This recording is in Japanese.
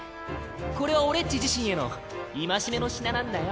これは俺っち自身への戒めの品なんだよ。